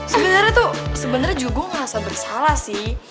sebenernya tuh sebenernya juga gue ngerasa bersalah sih